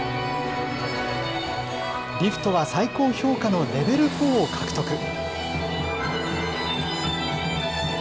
リフトは最高評価のレベルフォーを獲得。